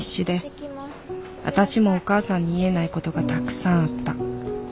私もお母さんに言えないことがたくさんあった。